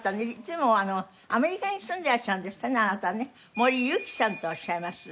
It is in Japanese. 森雪さんとおっしゃいます。